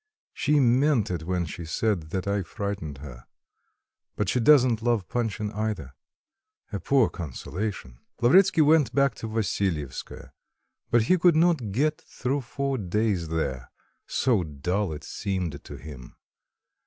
She meant it when she said that I frightened her. But she doesn't love Panshin either a poor consolation!" Lavretsky went back to Vassilyevskoe, but he could not get through four days there so dull it seemed to him.